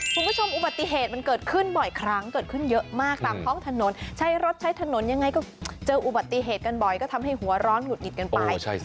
คุณผู้ชมอุบัติเหตุมันเกิดขึ้นบ่อยครั้งเกิดขึ้นเยอะมากตามท้องถนนใช้รถใช้ถนนยังไงก็เจออุบัติเหตุกันบ่อยก็ทำให้หัวร้อนหงุดหงิดกันไป